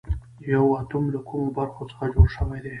یو اتوم له کومو برخو څخه جوړ شوی دی